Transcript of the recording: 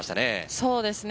そうですね。